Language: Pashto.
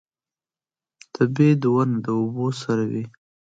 د بید ونه د اوبو سره وي